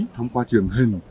thông qua truyền hình